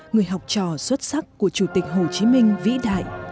người học trò xuất sắc của chủ tịch hồ chí minh vĩ đại